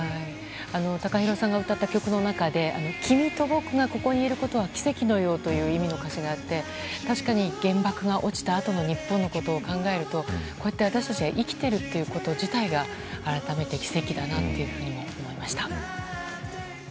ＴＡＫＡＨＩＲＯさんが歌った曲の中で君と僕がここにいることは奇跡のようという意味の歌詞があって確かに原爆が落ちたあとの日本のことを考えるとこうやって私たちが生きていること自体が改めて奇跡だなと思いました。